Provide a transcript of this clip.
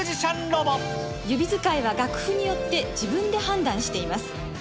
指使いは楽譜によって、自分で判断しています。